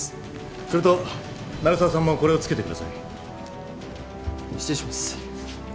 それと鳴沢さんもこれをつけてください失礼します